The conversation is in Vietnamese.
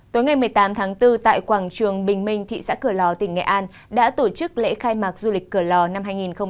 tối ngày một mươi tám tháng bốn tại quảng trường bình minh thị xã cửa lò tỉnh nghệ an đã tổ chức lễ khai mạc du lịch cửa lò năm hai nghìn hai mươi bốn